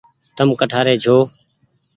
تم ڪٺآري ڇو۔